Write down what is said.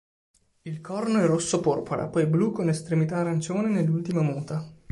Il corno è rosso porpora, poi blu con estremità arancione nell'ultima muta.